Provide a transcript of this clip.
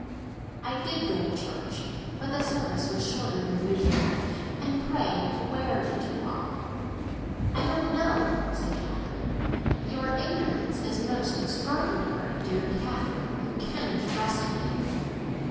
"I did go to church; but the service was shorter than usual. And pray, where did you walk?" "I don't know!" said Catherine. "Your ignorance is most extraordinary! Dear Catherine, you can trust me."